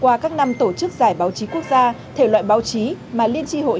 qua các năm tổ chức giải báo chí quốc gia thể loại báo chí mà liên tri hội